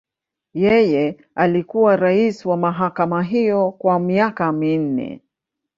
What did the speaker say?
Yeye alikuwa rais wa mahakama hiyo kwa miaka minne.